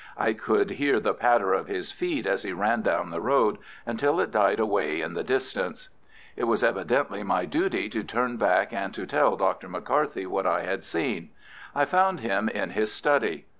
I could hear the patter of his feet as he ran down the road, until it died away in the distance. It was evidently my duty to turn back and to tell Dr. McCarthy what I had seen. I found him in his study.